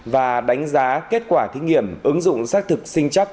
và đánh giá kết quả thí nghiệm ứng dụng xác thực sinh chắc